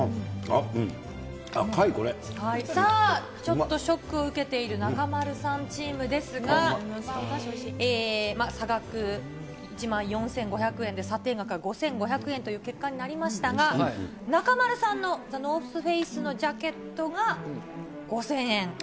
さあ、ちょっとショックを受けている中丸さんチームですが、差額１万４５００円で、査定額が５５００円という結果になりましたが、中丸さんのザ・ノースフェイスのジャケットが５０００円。